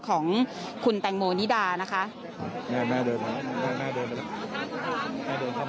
ของคุณแตงโมนิดานะคะแม่แม่เดินไปแล้วแม่เดินไปแล้ว